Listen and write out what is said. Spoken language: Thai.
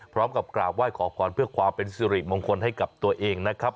พร้อมกับกราบไหว้ขอพรเพื่อความเป็นสิริมงคลให้กับตัวเองนะครับ